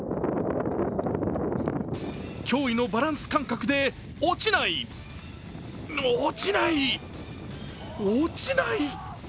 驚異のバランス感覚で落ちない、落ちない、落ちない。